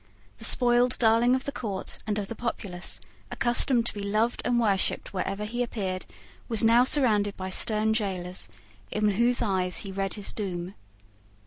The spoiled darling of the court and of the populace, accustomed to be loved and worshipped wherever he appeared, was now surrounded by stern gaolers in whose eyes he read his doom.